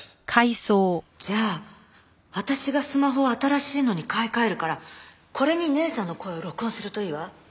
じゃあ私がスマホを新しいのに買い替えるからこれに姉さんの声を録音するといいわ。